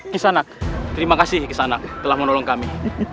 kisanak terima kasih kisanak telah menolong kami